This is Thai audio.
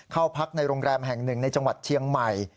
เข้าพักในโรงแรมแห่งหนึ่งในจังหวัดเชียงใหม่